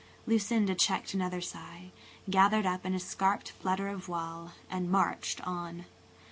Lucinda checked another sigh, gathered up an escaped flutter of voile, and marched on.